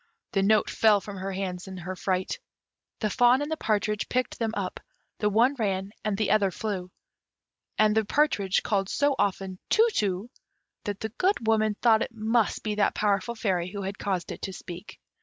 The notes fell from her hands in her fright; the fawn and the partridge picked them up: the one ran and the other flew; and the partridge called so often "Tu tu," that the Good Woman thought it must be that powerful fairy who had caused it to speak.